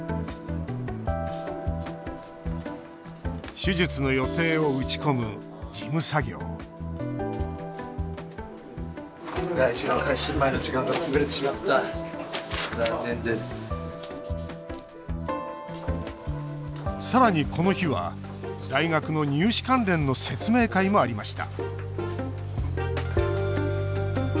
手術の予定を打ち込む事務作業さらに、この日は大学の入試関連の説明会もありました